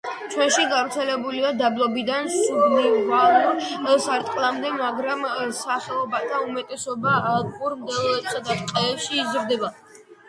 ჩვენში გავრცელებულია დაბლობიდან სუბნივალურ სარტყლამდე, მაგრამ სახეობათა უმეტესობა ალპურ მდელოებსა და ტყეებში იზრდება.